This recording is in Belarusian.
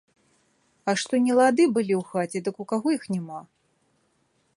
А што нелады былі ў хаце, дык у каго іх няма.